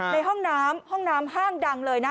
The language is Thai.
ในห้องน้ำห้องน้ำห้างดังเลยนะ